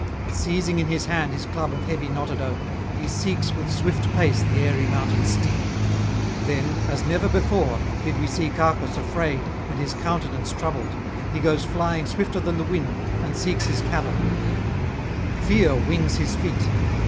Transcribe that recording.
Seizing in his hand his club of heavy knotted oak, he seeks with swift pace the aery mountain steep. Then, as never before, did we see Cacus afraid and his countenance troubled; he goes flying swifter than the wind and seeks his cavern; fear wings his feet.